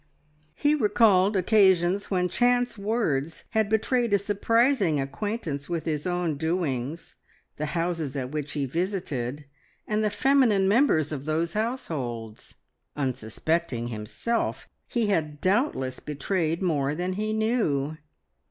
He recalled occasions when chance words had betrayed a surprising acquaintance with his own doings, the houses at which he visited, and the feminine members of those households. Unsuspecting himself, he had doubtless betrayed more than he knew.